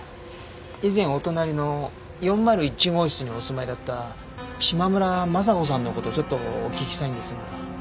以前お隣の４０１号室にお住まいだった島村昌子さんの事ちょっとお聞きしたいんですが。